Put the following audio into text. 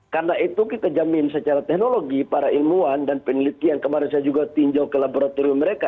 karena itu kita jamin secara teknologi para ilmuwan dan peneliti yang kemarin saya juga tinjau ke laboratorium mereka